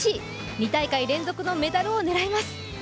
２大会連続のメダルを狙います。